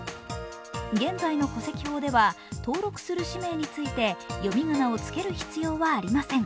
現在の戸籍法では、登録する氏名について読み仮名をつける必要はありません。